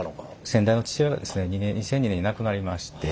先代の父親がですね２００２年に亡くなりまして。